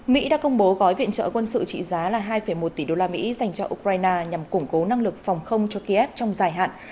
mỹ đã công bố gói viện trợ quân sự trị giá là hai một tỷ đô la mỹ dành cho ukraine nhằm củng cố năng lực phòng không cho kiev trong dài hạn